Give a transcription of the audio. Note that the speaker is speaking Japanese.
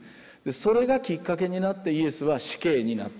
それがきっかけになってイエスは死刑になっていく。